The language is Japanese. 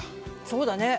そうだね。